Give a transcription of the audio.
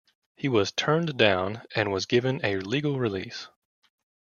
He was turned down and was given a legal release.